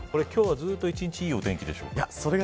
今日はずっと一日いいお天気でしょうか。